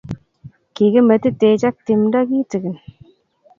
kikimetitech ak timdoo kitikin